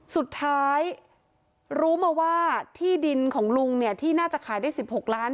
สุดท้ายรู้มาว่าที่ดินของลุงเนี่ยที่น่าจะขายได้๑๖ล้าน